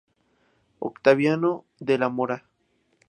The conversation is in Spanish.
Octaviano de la Mora.